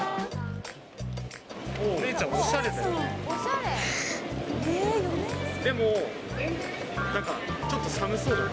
お姉ちゃん、おしゃれだよね。